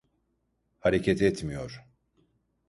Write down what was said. Hareket etmiyor.